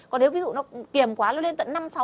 còn nếu ví dụ nó kiềm quá nó lên tận năm sáu